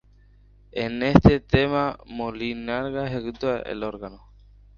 En este tema Molinari ejecuta el órgano.